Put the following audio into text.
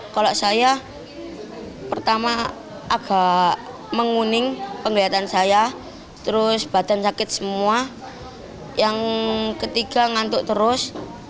kalau saya pertama agak menguning penglihatan saya terus badan sakit semua yang ketiga ngantuk terus